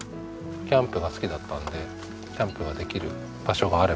キャンプが好きだったのでキャンプができる場所があればなと思って。